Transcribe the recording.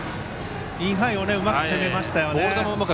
インハイをうまく攻めましたよね。